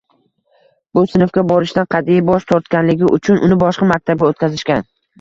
Bu sinfga borishdan qat’iy bosh tortganligi uchun uni boshqa maktabga o‘tkazishgan.